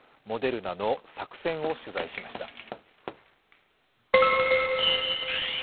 モデルナの作戦を取材しました。